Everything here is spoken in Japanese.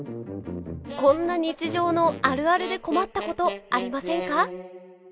こんな日常のあるあるで困ったことありませんか？